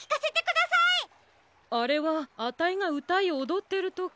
あれはあたいがうたいおどってるとき。